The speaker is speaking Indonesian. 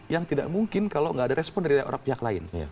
yang tidak mungkin kalau nggak ada respon dari orang pihak lain